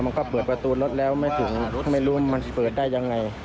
มันก็เปิดประตูรถแล้วไม่ถึงไม่รู้มันเปิดได้ยังไง